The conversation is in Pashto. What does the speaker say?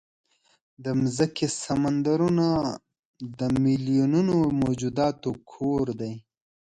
د مځکې سمندرونه د میلیونونو موجوداتو کور دی.